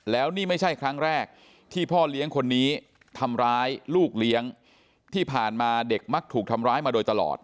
แล้วนี่ไม่ใช่ครั้งแรกที่พ่อเลี้ยงคนนี้ทำร้ายลูกเลี้ยงที่ผ่านมาเด็กมักถูกทำร้ายมาโดยตลอด